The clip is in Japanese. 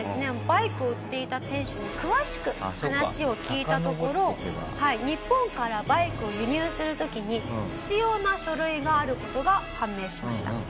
バイクを売っていた店主に詳しく話を聞いたところ日本からバイクを輸入する時に必要な書類がある事が判明しました。